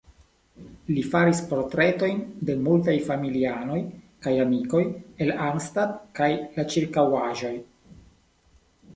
Li faris portretojn de multaj familianoj kaj amikoj el Arnstadt kaj la ĉirkaŭaĵoj.